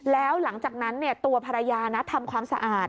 แล้วหลังจากนั้นตัวภรรยาทำความสะอาด